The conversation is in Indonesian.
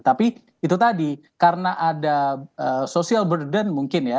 tapi itu tadi karena ada social burden mungkin ya